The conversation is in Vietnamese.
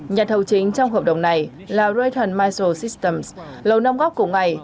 nhà thầu chính trong hợp đồng này là reutten maisel systems lầu nông góc của ngày